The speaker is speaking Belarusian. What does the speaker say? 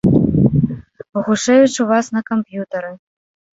Багушэвіч у вас на камп'ютары.